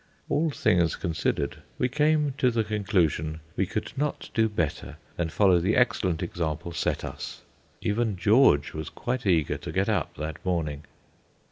All things considered, we came to the conclusion we could not do better than follow the excellent example set us. Even George was quite eager to get up that morning.